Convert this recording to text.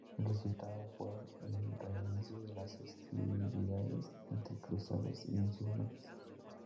El resultado fue el reinicio de las hostilidades entre cruzados y musulmanes.